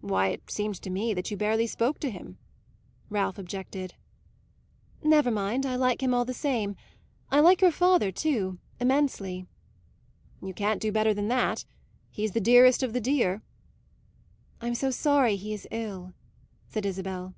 "Why, it seemed to me that you barely spoke to him," Ralph objected. "Never mind, I like him all the same. I like your father too, immensely." "You can't do better than that. He's the dearest of the dear." "I'm so sorry he is ill," said Isabel.